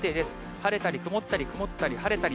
晴れたり曇ったり、曇ったり晴れたり。